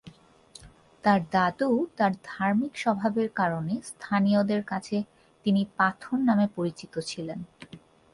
তার দাদু তার ধার্মিক স্বভাবের কারণে স্থানীয়দের কাছে তিনি "পাথর" নামে পরিচিত ছিলেন।